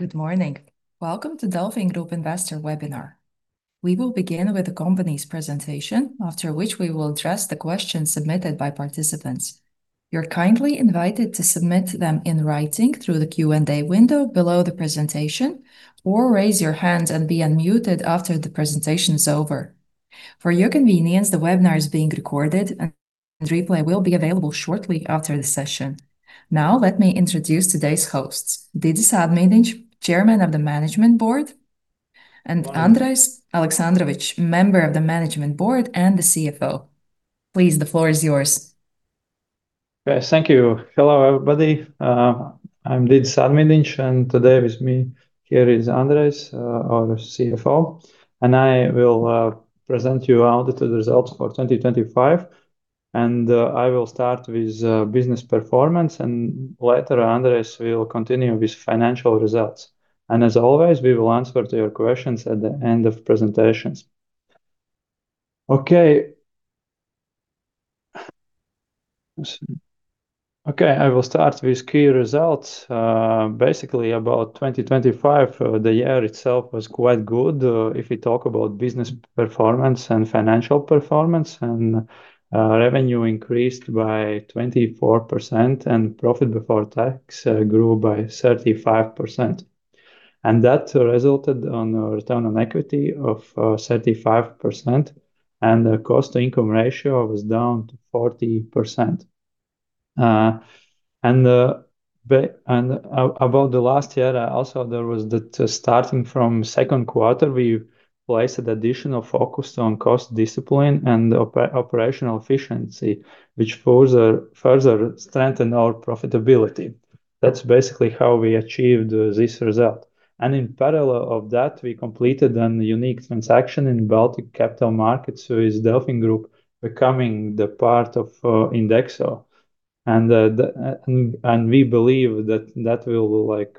Good morning. Welcome to DelfinGroup Investor Webinar. We will begin with the company's presentation, after which we will address the questions submitted by participants. You're kindly invited to submit them in writing through the Q&A window below the presentation, or raise your hand and be unmuted after the presentation is over. For your convenience, the webinar is being recorded and replay will be available shortly after the session. Now, let me introduce today's hosts. Didzis Ādmīdiņš, Chairman of the Management Board, and Andrejs Aleksandrovičs, Member of the Management Board and the CFO. Please, the floor is yours. Yes, thank you. Hello, everybody. I'm Didzis Ādmīdiņš, and today with me here is Andrejs, our CFO, and I will present you our audited results for 2025. I will start with business performance, and later Andrejs will continue with financial results. As always, we will answer to your questions at the end of presentations. Okay, I will start with key results. Basically about 2025, the year itself was quite good, if we talk about business performance and financial performance and revenue increased by 24% and profit before tax grew by 35%. That resulted on a return on equity of 35% and the cost-income ratio was down to 40%. About the last year, also there was the starting from second quarter, we placed additional focus on cost discipline and operational efficiency, which further strengthened our profitability. That's basically how we achieved this result. In parallel of that, we completed an unique transaction in Baltic Capital Markets with DelfinGroup becoming the part of INDEXO. We believe that that will like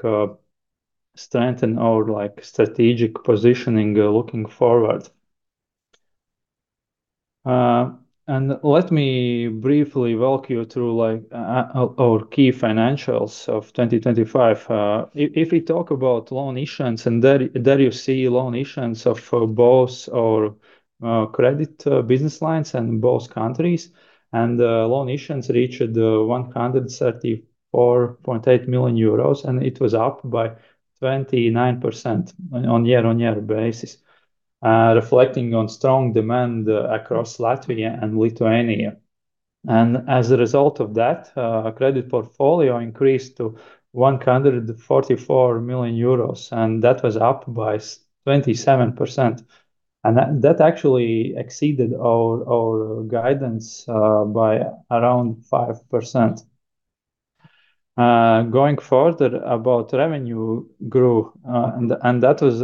strengthen our like strategic positioning looking forward. Let me briefly walk you through like our key financials of 2025. If we talk about loan issuance, and there you see loan issuance of both our credit business lines and both countries. The loan issuance reached 134.8 million euros, and it was up by 29% on a year-on-year basis, reflecting on strong demand across Latvia and Lithuania. As a result of that, credit portfolio increased to 144 million euros, and that was up by 27%. That actually exceeded our guidance by around 5%. Going further about revenue grew, and that was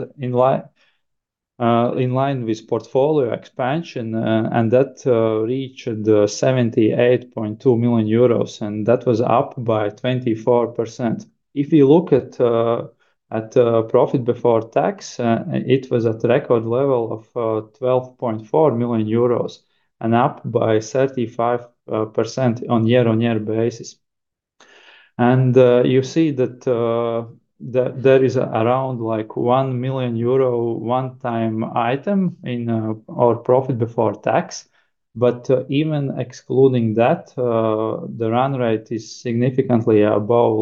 in line with portfolio expansion, and that reached 78.2 million euros, and that was up by 24%. If you look at profit before tax, it was at record level of 12.4 million euros and up by 35% on a year-on-year basis. You see that there is around like 1 million euro one-time item in our profit before tax. Even excluding that, the run rate is significantly above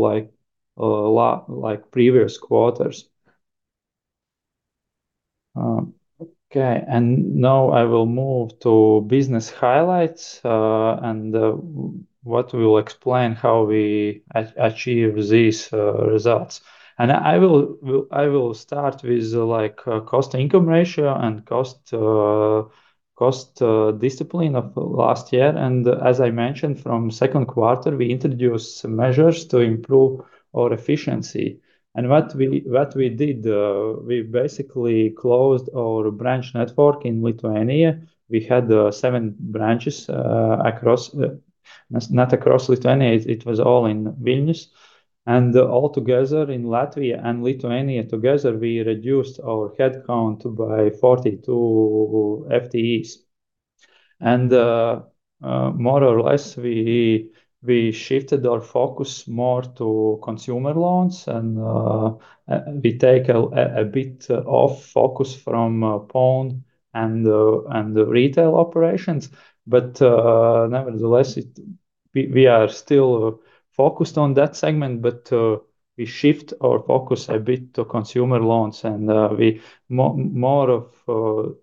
like previous quarters. Now I will move to business highlights and what will explain how we achieve these results. I will start with like cost-income ratio and cost discipline of last year. As I mentioned from second quarter, we introduced some measures to improve our efficiency. What we did, we basically closed our branch network in Lithuania. We had seven branches across, not across Lithuania, it was all in Vilnius. Altogether in Latvia and Lithuania together, we reduced our headcount by 42 FTEs. More or less, we shifted our focus more to consumer loans and we take a bit of focus from pawn and the retail operations. Nevertheless, we are still focused on that segment, but we shift our focus a bit to consumer loans and we more of,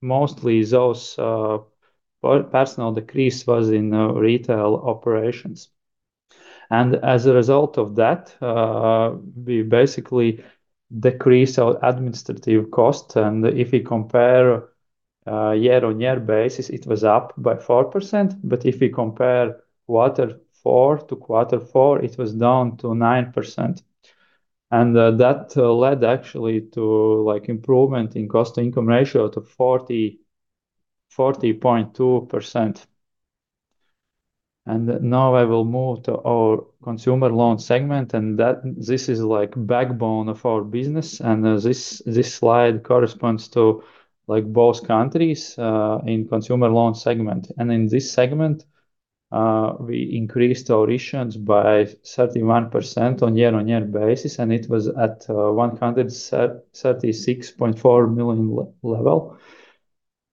mostly those personal decrease was in retail operations. As a result of that, we basically decrease our administrative cost. If we compare year-on-year basis, it was up by 4%. If we compare quarter four to quarter four, it was down to 9%. That led actually to like improvement in cost-income ratio to 40.2%. Now I will move to our consumer loan segment and that this is like backbone of our business. This slide corresponds to like both countries in consumer loan segment. In this segment, we increased our issuance by 31% on a year-on-year basis, and it was at 136.4 million level.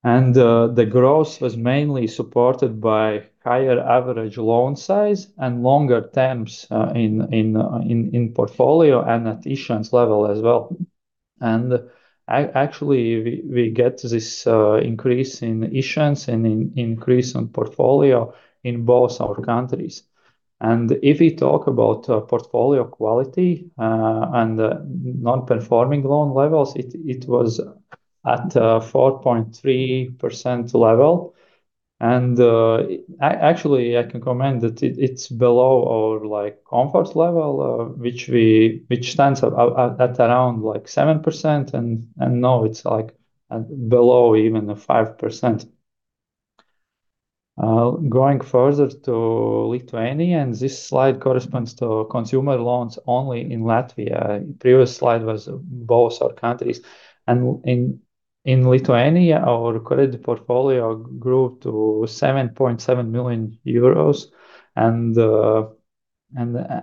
The growth was mainly supported by higher average loan size and longer terms in portfolio and at issuance level as well. Actually, we get this increase in issuance and increase in portfolio in both our countries. If we talk about portfolio quality and non-performing loan levels, it was at 4.3% level. Actually, I can comment that it's below our, like, comfort level, which stands at around like 7% and now it's, like, below even the 5%. Going further to Lithuania, and this slide corresponds to consumer loans only in Latvia. Previous slide was both our countries. In Lithuania, our credit portfolio grew to 7.7 million euros and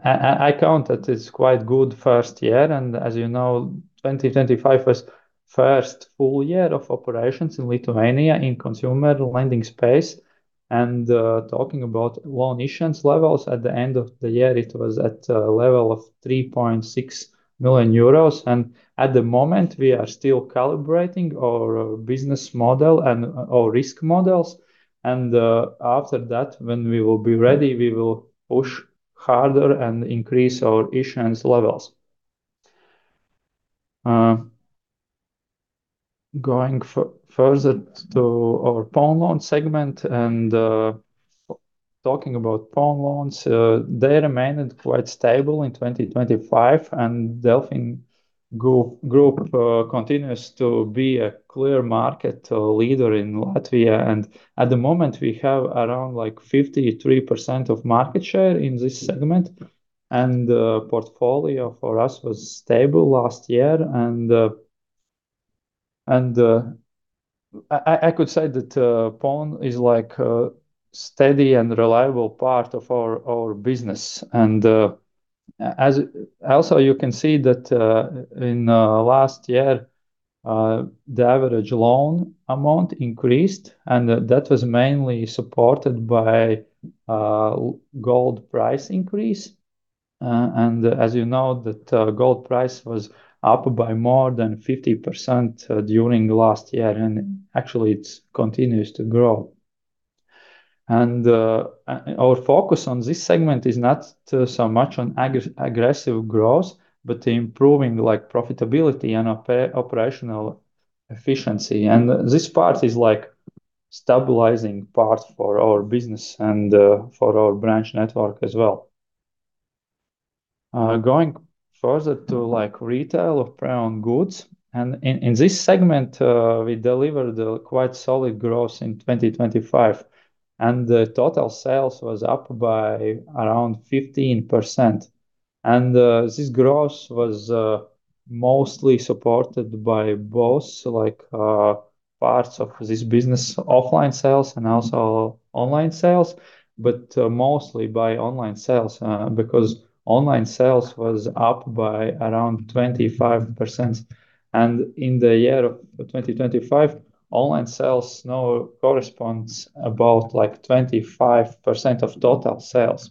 I count that it's quite good first year. As you know, 2025 was first full year of operations in Lithuania in consumer lending space. Talking about loan issuance levels, at the end of the year, it was at a level of 3.6 million euros. At the moment, we are still calibrating our business model and our risk models. After that, when we will be ready, we will push harder and increase our issuance levels. Going further to our pawn loan segment and talking about pawn loans, they remained quite stable in 2025.DelfinGroup continues to be a clear market leader in Latvia. At the moment, we have around like 53% of market share in this segment. The portfolio for us was stable last year and I could say that pawn is like a steady and reliable part of our business. Also, you can see that in last year, the average loan amount increased, and that was mainly supported by gold price increase. As you know that gold price was up by more than 50% during last year, and actually it's continues to grow. Our focus on this segment is not so much on aggressive growth, but improving, like, profitability and operational efficiency. This part is like stabilizing part for our business and for our branch network as well. Going further to like retail of pre-owned goods. In this segment, we delivered a quite solid growth in 2025, and the total sales was up by around 15%. This growth was mostly supported by both, like, parts of this business, offline sales and also online sales, but mostly by online sales, because online sales was up by around 25%. In the year of 2025, online sales now corresponds about like 25% of total sales.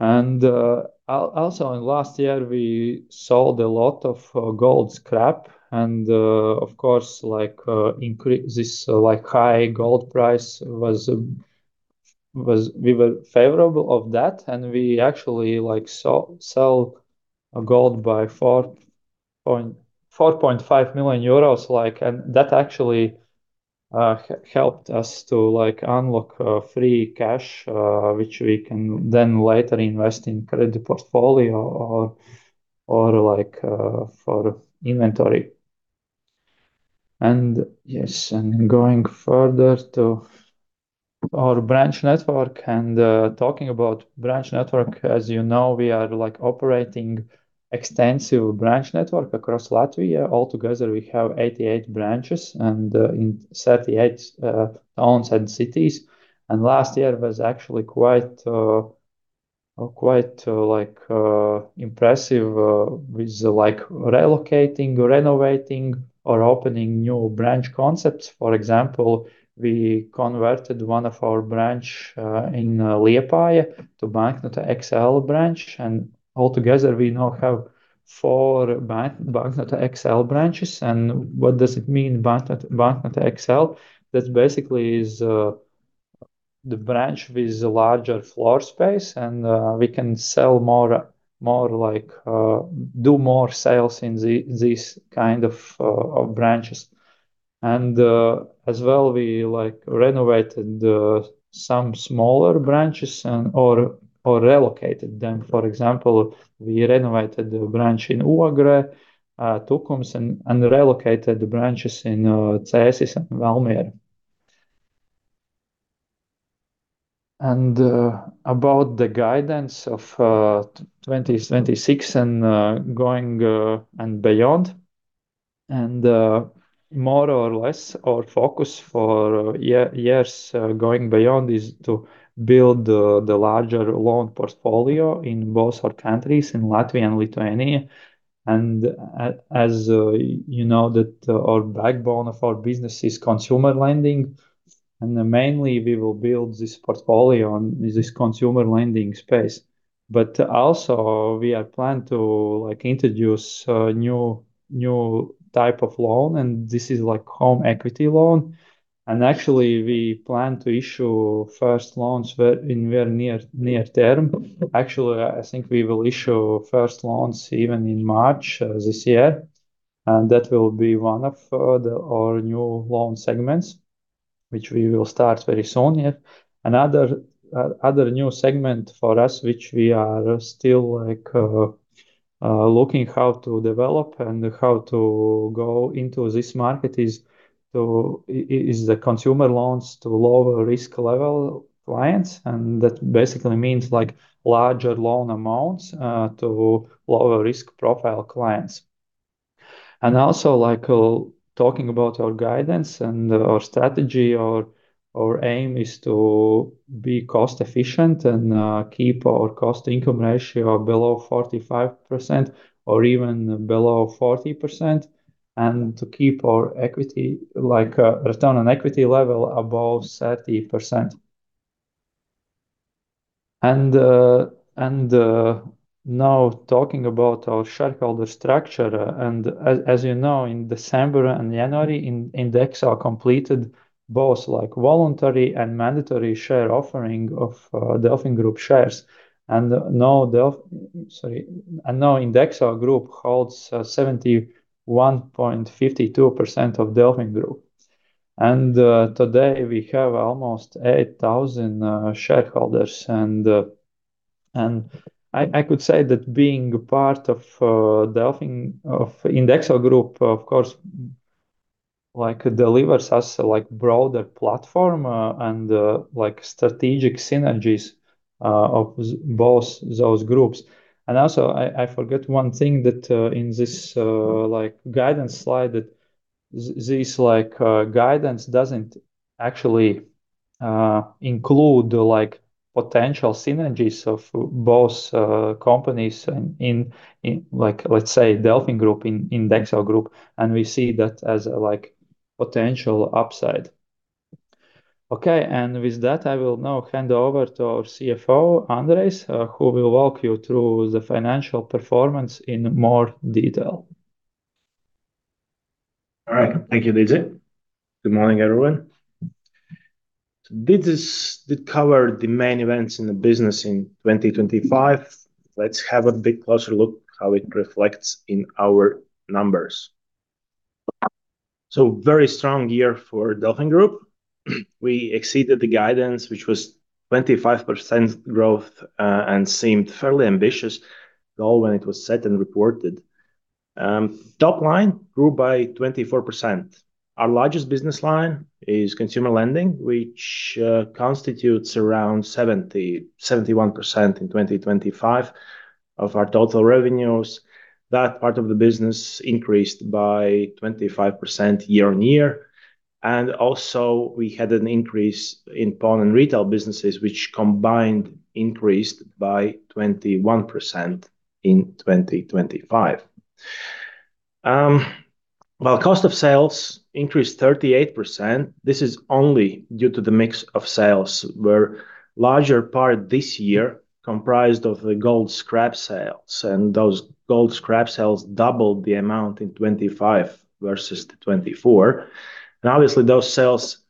Also in last year, we sold a lot of gold scrap and, of course, like this like high gold price was we were favorable of that. We actually like sell gold by 4.5 million euros, and that actually helped us to like unlock free cash, which we can then later invest in credit portfolio or like for inventory. Yes, going further to our branch network and talking about branch network, as you know, we are like operating extensive branch network across Latvia. Altogether, we have 88 branches and in 38 towns and cities. Last year was actually quite impressive with the like relocating, renovating or opening new branch concepts. For example, we converted one of our branch in Liepāja to Banknote XL branch. Altogether, we now have four Banknote XL branches. What does it mean Banknote XL? That basically is the branch with the larger floor space and we can sell more like do more sales in these kind of branches. As well, we like renovated some smaller branches or relocated them. For example, we renovated the branch in Ogre, Tukums and relocated the branches in Cēsis and Valmiera. About the guidance of 2026 and going and beyond. More or less our focus for years going beyond is to build the larger loan portfolio in both our countries in Latvia and Lithuania. As you know that our backbone of our business is consumer lending, and mainly we will build this portfolio on this consumer lending space. Also we are plan to like introduce a new type of loan and this is like home equity loan. Actually we plan to issue first loans in very near term. Actually, I think we will issue first loans even in March this year, that will be one of our new loan segments, which we will start very soon. Yeah. Another new segment for us which we are still like looking how to develop and how to go into this market is the consumer loans to lower risk level clients that basically means like larger loan amounts to lower risk profile clients. Also like talking about our guidance and our strategy, our aim is to be cost efficient and keep our cost-income ratio below 45% or even below 40% and to keep our equity like return on equity level above 30%. Now talking about our shareholder structure as you know in December and January in INDEXO completed both like voluntary and mandatory share offering of DelfinGroup shares. Now INDEXO Group holds 71.52% of DelfinGroup. Today we have almost 8,000 shareholders and I could say that being a part of Delfin of INDEXO Group of course like delivers us like broader platform and like strategic synergies of both those groups. Also I forget one thing that in this like guidance slide that this like guidance doesn't actually include like potential synergies of both companies in like let's say DelfinGroup in INDEXO Group and we see that as like potential upside. Okay. With that I will now hand over to our CFO, Andrejs, who will walk you through the financial performance in more detail. All right. Thank you, Didzis. Good morning, everyone. Didzis did cover the main events in the business in 2025. Let's have a bit closer look how it reflects in our numbers. Very strong year for DelfinGroup. We exceeded the guidance which was 25% growth, and seemed fairly ambitious goal when it was set and reported. Top line grew by 24%. Our largest business line is consumer lending which constitutes around 70%-71% in 2025 of our total revenues. That part of the business increased by 25% year-on-year. Also we had an increase in pawn and retail businesses which combined increased by 21% in 2025. Well, cost of sales increased 38%. This is only due to the mix of sales where larger part this year comprised of the gold scrap sales and those gold scrap sales doubled the amount in 2025 versus the 2024. Obviously those sales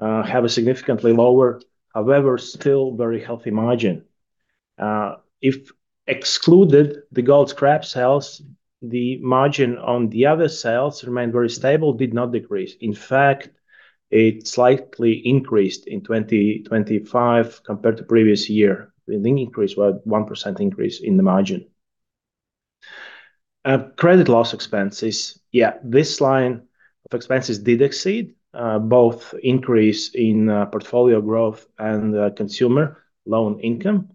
have a significantly lower however still very healthy margin. If excluded the gold scrap sales the margin on the other sales remained very stable did not decrease. In fact, it slightly increased in 2025 compared to previous year. I think increase about 1% increase in the margin. Credit loss expenses. Yeah, this line of expenses did exceed both increase in portfolio growth and consumer loan income.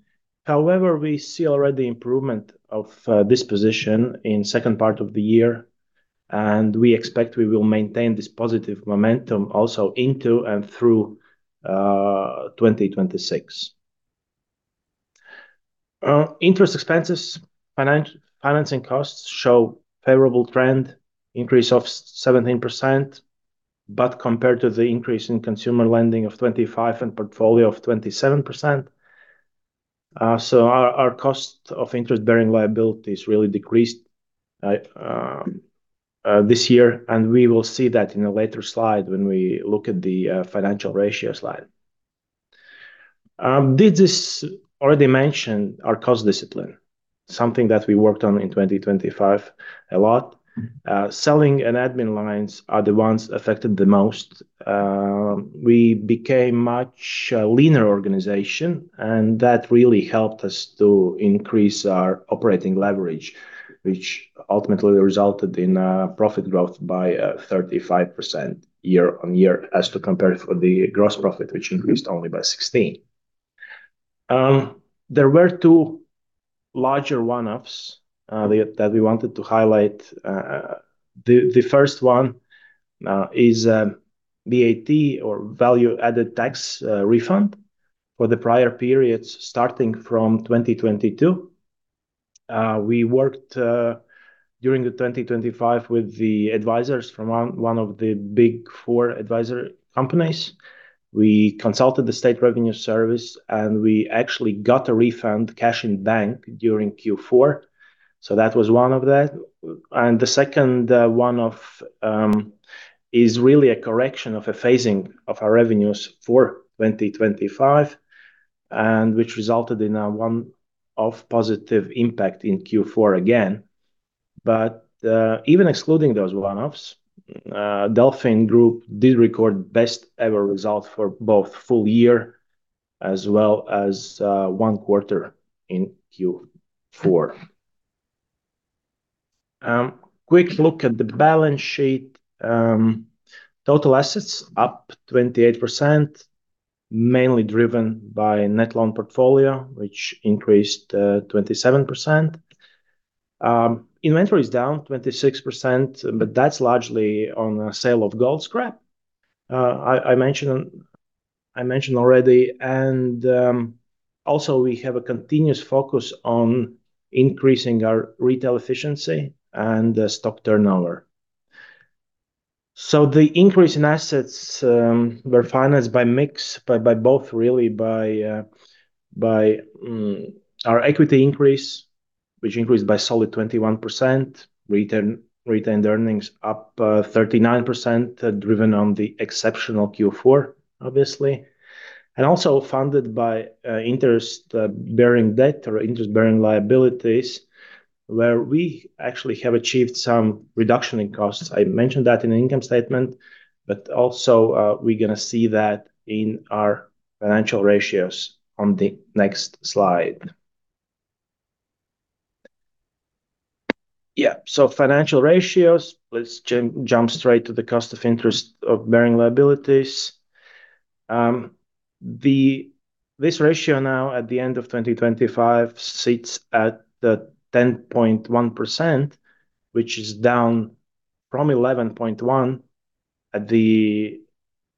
However, we see already improvement of this position in second part of the year and we expect we will maintain this positive momentum also into and through 2026. Interest expenses, financing costs show favorable trend increase of 17%, but compared to the increase in consumer lending of 25% and portfolio of 27%. Our cost of interest bearing liability has really decreased this year and we will see that in a later slide when we look at the financial ratio slide. Didzis already mentioned our cost discipline, something that we worked on in 2025 a lot. Selling and admin lines are the ones affected the most. We became much leaner organization and that really helped us to increase our operating leverage which ultimately resulted in profit growth by 35% year-on-year as to compared for the gross profit which increased only by 16%. There were two larger one-offs that we wanted to highlight. The first one is VAT or value-added tax refund for the prior periods starting from 2022. We worked during the 2025 with the advisors from one of the Big Four advisor companies. We consulted the State Revenue Service. We actually got a refund cash in bank during Q4, that was one of that. The second one-off is really a correction of a phasing of our revenues for 2025, which resulted in a one-off positive impact in Q4 again. Even excluding those one-offs, DelfinGroup did record best ever result for both full year as well as one quarter in Q4. Quick look at the balance sheet. Total assets up 28%, mainly driven by net loan portfolio, which increased 27%. Inventory is down 26%, but that's largely on a sale of gold scrap. I mentioned already, also we have a continuous focus on increasing our retail efficiency and the stock turnover. The increase in assets were financed by both really by our equity increase, which increased by solid 21%. Retained earnings up 39% driven on the exceptional Q4, obviously. Also funded by interest bearing debt or interest-bearing liabilities where we actually have achieved some reduction in costs. I mentioned that in the income statement, also we're gonna see that in our financial ratios on the next slide. Financial ratios. Let's jump straight to the cost of interest of bearing liabilities. This ratio now at the end of 2025 sits at the 10.1%, which is down from 11.1% at the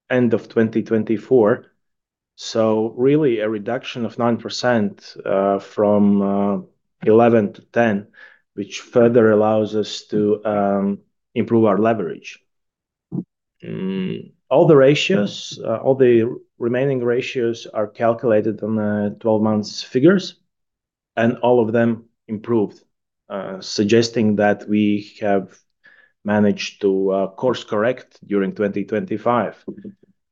end of 2024. Really a reduction of 9%, from 11% to 10%, which further allows us to improve our leverage. All the ratios, all the remaining ratios are calculated on the 12 months figures, and all of them improved, suggesting that we have managed to course correct during 2025.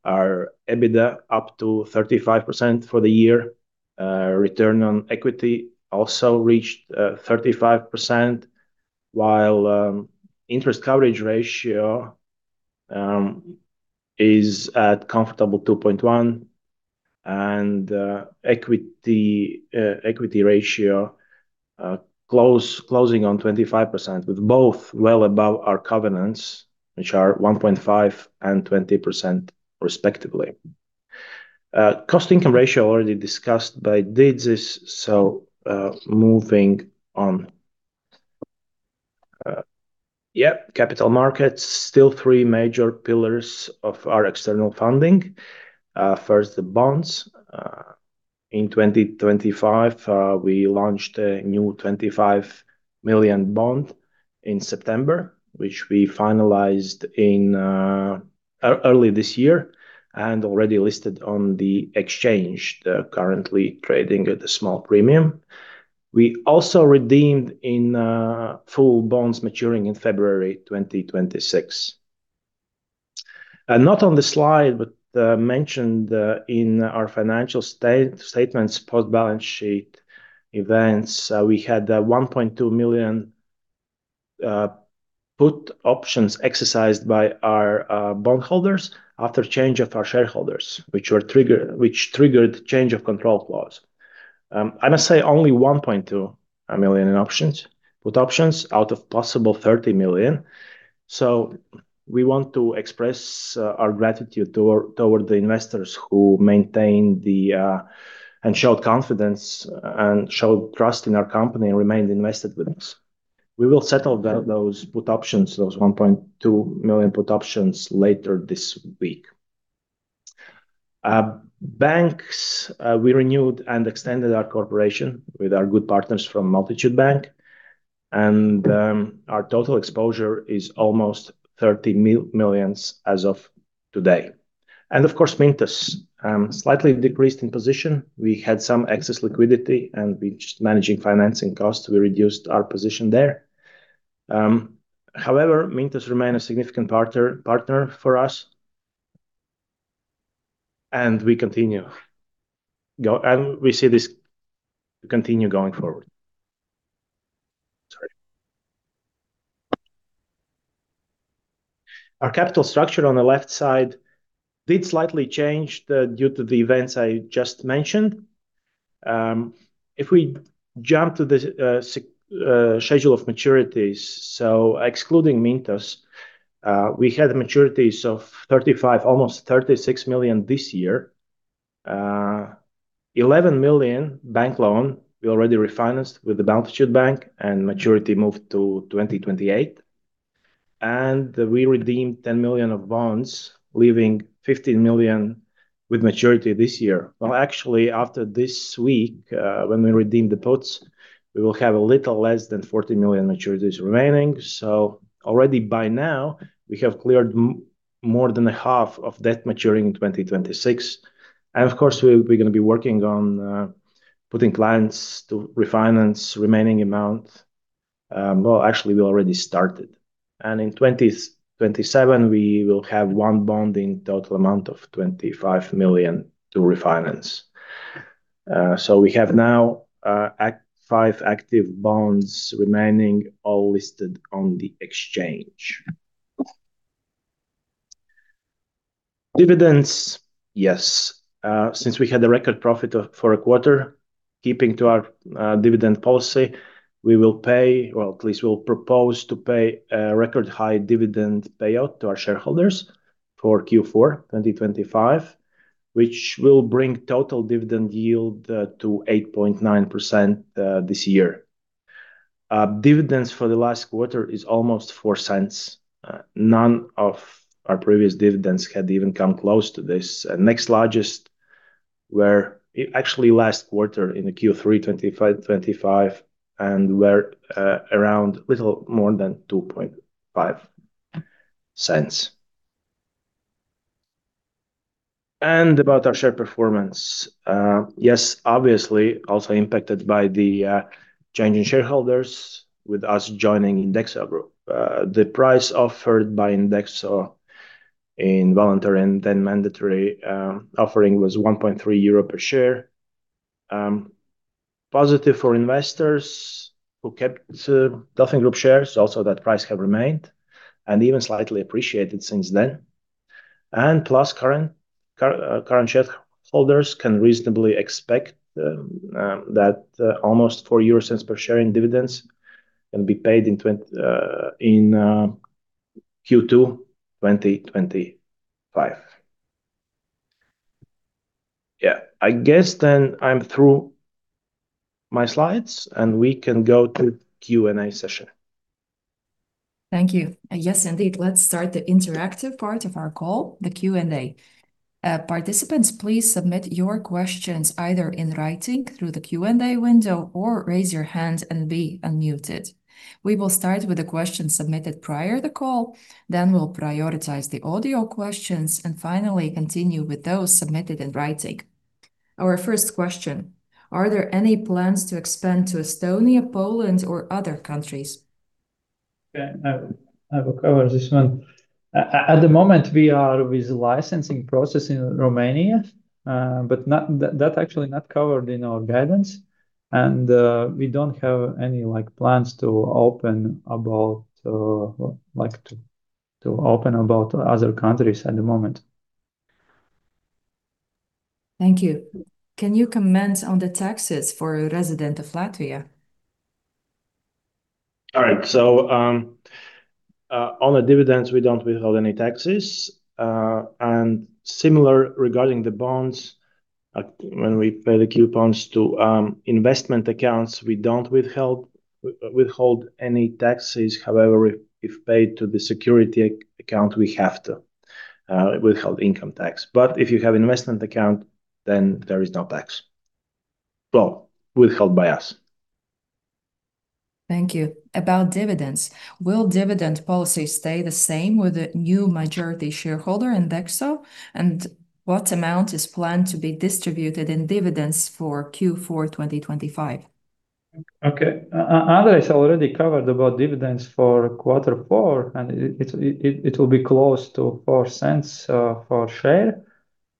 Our EBITDA up to 35% for the year. Return on equity also reached 35%, while interest coverage ratio is at comfortable 2.1% and equity ratio closing on 25% with both well above our covenants, which are 1.5% and 20% respectively. Cost-income ratio already discussed by Didzis. Moving on. Capital markets still three major pillars of our external funding. First, the bonds. In 2025, we launched a new 25 million bond in September, which we finalized in early this year and already listed on the exchange, currently trading at a small premium. We also redeemed in full bonds maturing in February 2026. Not on the slide, but mentioned in our financial statements post balance sheet events, we had 1.2 million put options exercised by our bondholders after change of our shareholders which triggered change of control clause. I must say only 1.2 million in options, put options out of possible 30 million. We want to express our gratitude toward the investors who maintain the and showed confidence and showed trust in our company and remained invested with us. We will settle those 1.2 million put options later this week. Banks, we renewed and extended our cooperation with our good partners from Multitude Bank and our total exposure is almost 30 million as of today. Of course Mintos slightly decreased in position. We had some excess liquidity and we just managing financing costs, we reduced our position there. However, Mintos remain a significant partner for us. We see this continue going forward. Sorry. Our capital structure on the left side did slightly change due to the events I just mentioned. If we jump to the schedule of maturities, excluding Mintos, we had maturities of 35 million, almost 36 million this year. 11 million bank loan we already refinanced with the Multitude Bank and maturity moved to 2028. We redeemed 10 million of bonds, leaving 15 million with maturity this year. Actually after this week, when we redeem the puts, we will have a little less than 40 million maturities remaining. Already by now we have cleared more than a half of debt maturing in 2026. Of course, we're gonna be working on putting clients to refinance remaining amount. Actually we already started, and in 2027 we will have 1 bond in total amount of 25 million to refinance. We have now five active bonds remaining, all listed on the exchange. Dividends, yes. Since we had a record profit for a quarter, keeping to our dividend policy, we will pay, or at least we'll propose to pay a record high dividend payout to our shareholders for Q4, 2025, which will bring total dividend yield to 8.9% this year. Dividends for the last quarter is almost 0.04. None of our previous dividends had even come close to this. Next largest were actually last quarter in the Q3, 2025 and were around little more than 0.025. About our share performance. Yes, obviously also impacted by the change in shareholders with us joining INDEXO Group. The price offered by INDEXO in voluntary and then mandatory offering was 1.3 euro per share. Positive for investors who kept DelfinGroup shares. Also that price have remained and even slightly appreciated since then. Plus current shareholders can reasonably expect that almost 0.04 euros per share in dividends can be paid in Q2, 2025. Yeah. I guess then I'm through my slides and we can go to Q&A session. Thank you. Yes, indeed. Let's start the interactive part of our call, the Q&A. Participants, please submit your questions either in writing through the Q&A window or raise your hand and be unmuted. We will start with the questions submitted prior the call, then we'll prioritize the audio questions and finally continue with those submitted in writing. Our first question: Are there any plans to expand to Estonia, Poland, or other countries? Okay. I will cover this one. At the moment we are with licensing process in Romania. That actually not covered in our guidance and we don't have any, like, plans to open about, like, to open about other countries at the moment. Thank you. Can you comment on the taxes for a resident of Latvia? All right. On the dividends we don't withhold any taxes. And similar regarding the bonds, when we pay the coupons to investment accounts, we don't withhold any taxes. However, if paid to the security account, we have to withhold income tax. If you have investment account, then there is no tax. Well, withheld by us. Thank you. About dividends, will dividend policy stay the same with the new majority shareholder, INDEXO? What amount is planned to be distributed in dividends for Q4 2025? Okay. Andrejs already covered about dividends for quarter four, and it will be close to 0.04 for share.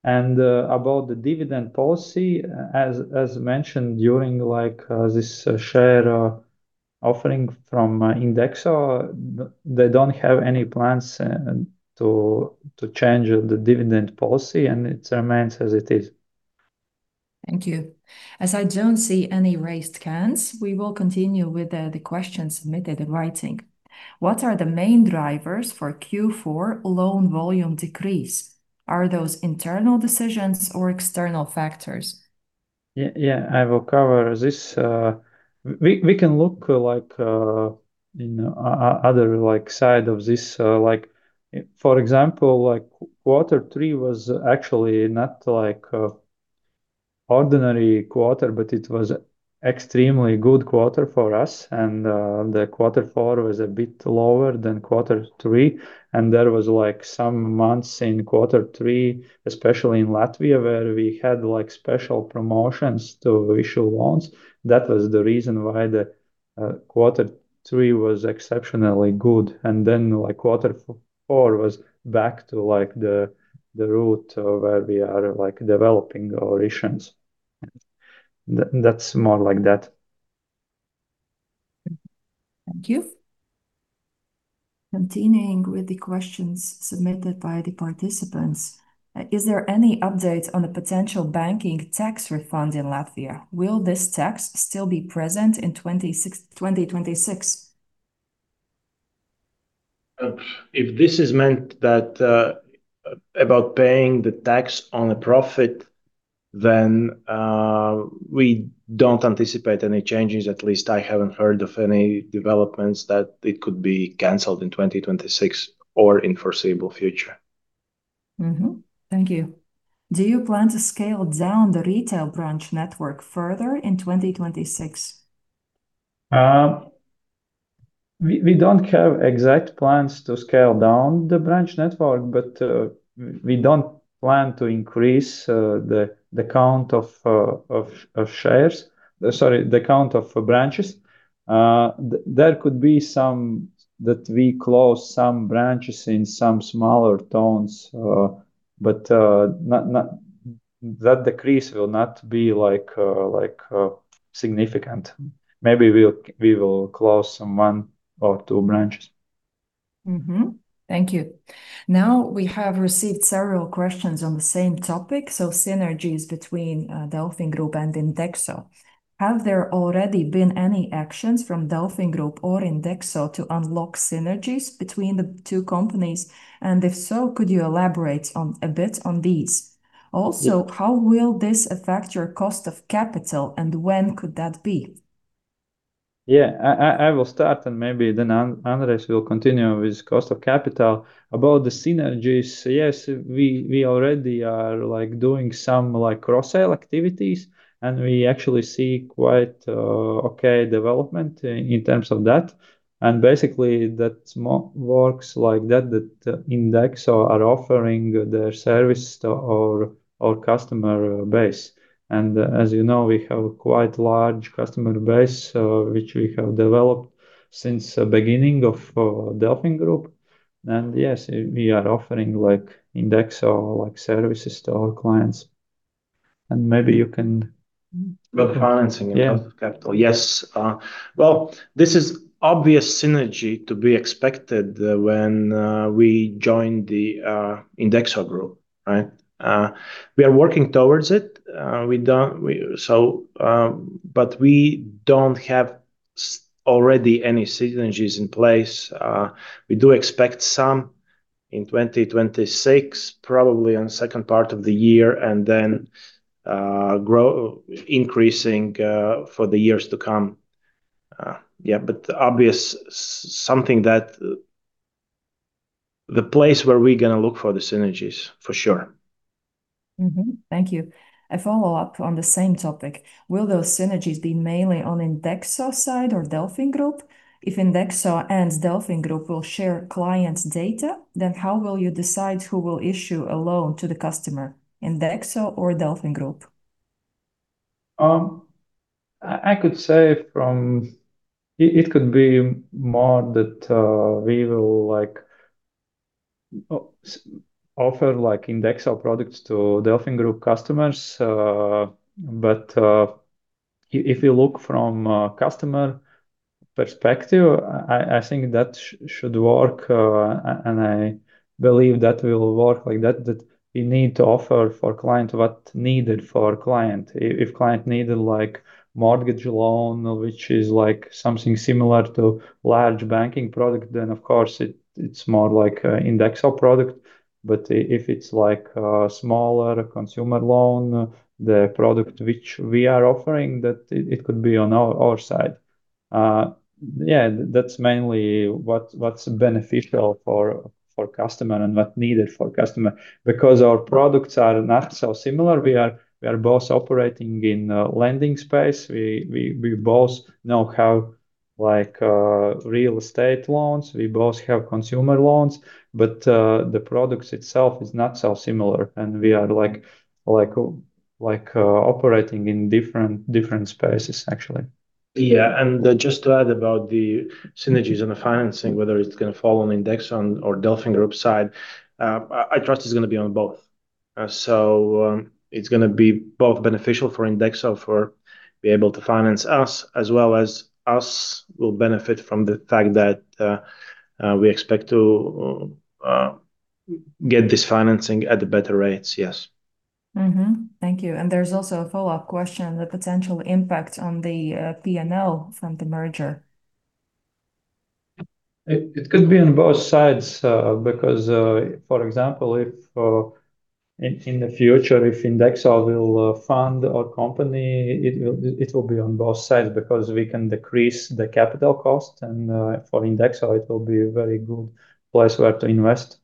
About the dividend policy, as mentioned during, like, this share offering from INDEXO, they don't have any plans to change the dividend policy and it remains as it is. Thank you. As I don't see any raised hands, we will continue with the questions submitted in writing. What are the main drivers for Q4 loan volume decrease? Are those internal decisions or external factors? Yeah, yeah. I will cover this. We can look in other side of this, for example, quarter three was actually not like a ordinary quarter, but it was extremely good quarter for us. The quarter four was a bit lower than quarter three, and there was some months in quarter three, especially in Latvia, where we had special promotions to issue loans. That was the reason why the quarter three was exceptionally good. Then quarter four was back to the route where we are developing our issuance. That's more like that. Thank you. Continuing with the questions submitted by the participants, is there any update on the potential banking tax refund in Latvia? Will this tax still be present in 2026? If this is meant that, about paying the tax on the profit, then, we don't anticipate any changes. At least I haven't heard of any developments that it could be canceled in 2026 or in foreseeable future. Mm-hmm. Thank you. Do you plan to scale down the retail branch network further in 2026? We don't have exact plans to scale down the branch network, but we don't plan to increase the count of shares. Sorry, the count of branches. There could be some that we close some branches in some smaller towns, but not. That decrease will not be like significant. Maybe we will close some one or two branches. Thank you. We have received several questions on the same topic, so synergies between DelfinGroup and INDEXO. Have there already been any actions from DelfinGroup or INDEXO to unlock synergies between the two companies? If so, could you elaborate a bit on these? Yeah Also, how will this affect your cost of capital and when could that be? I will start and maybe then Andrejs will continue with cost of capital. About the synergies, yes, we already are, like, doing some, like, cross-sell activities, and we actually see quite okay development in terms of that. Basically that works like that INDEXO are offering their service to our customer base. As you know, we have a quite large customer base, which we have developed since the beginning of DelfinGroup. Yes, we are offering like INDEXO, like, services to our clients. Maybe you can. About financing Yeah Cost of capital. Yes. Well, this is obvious synergy to be expected when we join the INDEXO Group, right? We are working towards it. We don't have already any synergies in place. We do expect some in 2026, probably in second part of the year, and then, grow, increasing, for the years to come. Yeah, obvious something that the place where we're gonna look for the synergies for sure. Mm-hmm. Thank you. A follow-up on the same topic. Will those synergies be mainly on INDEXO side or DelfinGroup? If INDEXO and DelfinGroup will share clients' data, how will you decide who will issue a loan to the customer, INDEXO or DelfinGroup? I could say from—it could be more that we will like offer like INDEXO products to DelfinGroup customers. If you look from a customer perspective, I think that should work, and I believe that will work like that we need to offer for client what needed for client. If client needed like mortgage loan, which is like something similar to large banking product, then of course it's more like a INDEXO product. If it's like a smaller consumer loan, the product which we are offering that it could be on our side. Yeah, that's mainly what's beneficial for customer and what needed for customer because our products are not so similar. We are both operating in a lending space. We both now have like real estate loans. We both have consumer loans, but the products itself is not so similar, and we are like operating in different spaces actually. Yeah. Just to add about the synergies and the financing, whether it's gonna fall on INDEXO or DelfinGroup side, I trust it's gonna be on both. It's gonna be both beneficial for INDEXO for be able to finance us as well as us will benefit from the fact that we expect to get this financing at the better rates. Yes. Thank you. There's also a follow-up question, the potential impact on the P&L from the merger? It could be on both sides, because, for example, if in the future, if INDEXO will fund our company, it will be on both sides because we can decrease the capital cost and, for INDEXO it will be a very good place where to invest.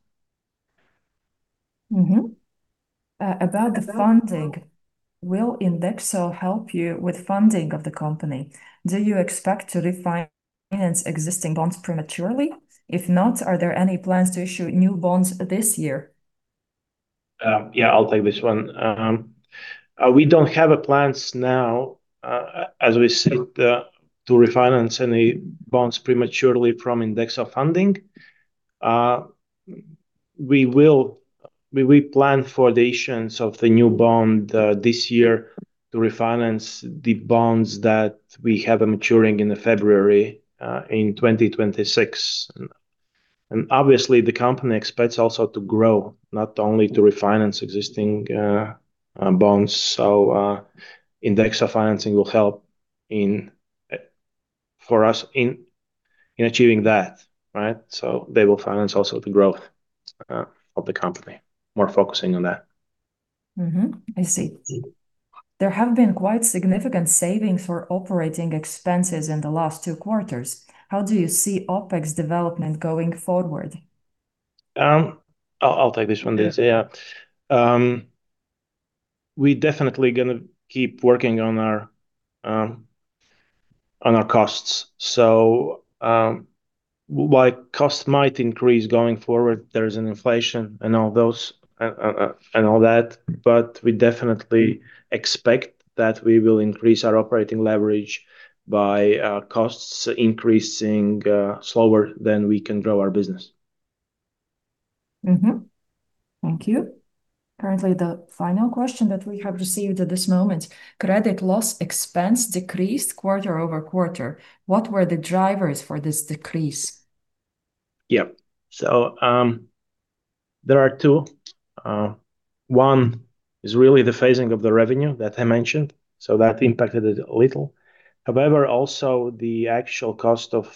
About the funding, will INDEXO help you with funding of the company? Do you expect to refinance existing bonds prematurely? If not, are there any plans to issue new bonds this year? Yeah, I'll take this one. We don't have a plans now, as we said, to refinance any bonds prematurely from INDEXO funding. We plan for the issuance of the new bond this year to refinance the bonds that we have maturing in the February 2026. Obviously the company expects also to grow, not only to refinance existing bonds. INDEXO financing will help in for us in achieving that, right? They will finance also the growth of the company, more focusing on that. I see. There have been quite significant savings for operating expenses in the last two quarters. How do you see OpEx development going forward? I'll take this one, Didzis. Yeah. Yeah. We definitely gonna keep working on our costs. While cost might increase going forward, there is an inflation and all those and all that, but we definitely expect that we will increase our operating leverage by costs increasing slower than we can grow our business. Thank you. Currently, the final question that we have received at this moment, credit loss expense decreased quarter-over-quarter. What were the drivers for this decrease? There are two. One is really the phasing of the revenue that I mentioned, that impacted it a little. However, also the actual cost of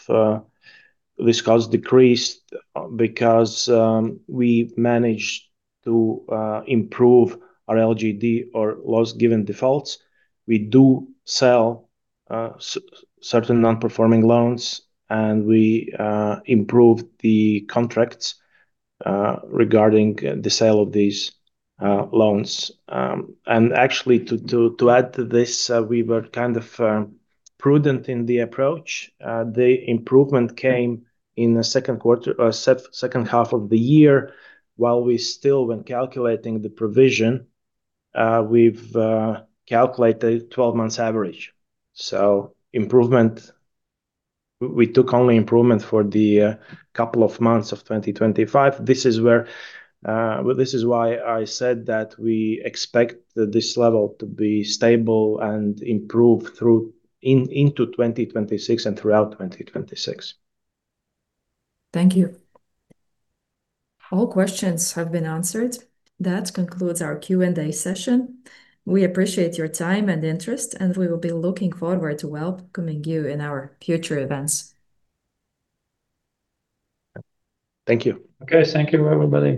this cost decreased because we managed to improve our LGD or loss given default. We do sell certain non-performing loans, we improved the contracts regarding the sale of these loans. Actually to add to this, we were kind of prudent in the approach. The improvement came in the second quarter or second half of the year, while we still when calculating the provision, we've calculated 12 months average. Improvement. We took only improvement for the couple of months of 2025. This is where. This is why I said that we expect this level to be stable and improve through, into 2026 and throughout 2026. Thank you. All questions have been answered. That concludes our Q&A session. We appreciate your time and interest. We will be looking forward to welcoming you in our future events. Thank you. Okay. Thank you, everybody.